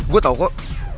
gue tau kok